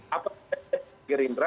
apa berbeda dengan girindra